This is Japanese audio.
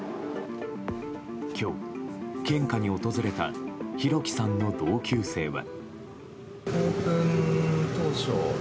今日、献花に訪れた弘輝さんの同級生は。